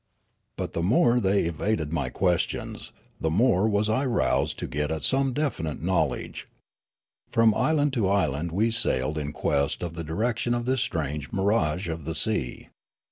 But the more they evaded my questions, the more was I roused to get at some definite knowledge. From island to island we sailed in quest of the direction of this strange mirage of the sea.